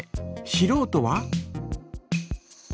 しろうとは？